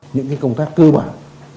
những công tác cư bản